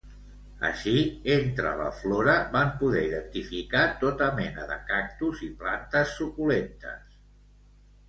Així, entre la flora van poder identificar tota mena de cactus i plantes suculentes.